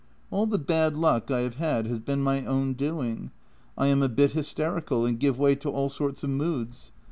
" All the bad luck I have had has been my own doing. I am a bit hysterical, and give way to all sorts of moods.